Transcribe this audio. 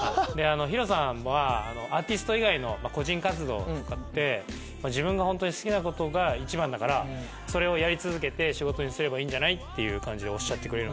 ＨＩＲＯさんはアーティスト以外の個人活動とかって自分がホントに好きなことが一番だからそれをやり続けて仕事にすればいいんじゃないって感じでおっしゃってくれるので。